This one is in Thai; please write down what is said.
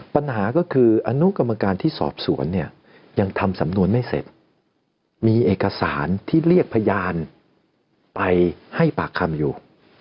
ปัญหาก็คืออนุกรรมการที่สอบสวนเนี่ยยังทำสำนวนไม่เสร็จมีเอกสารที่เรียกพยานไปให้ปากคำอยู่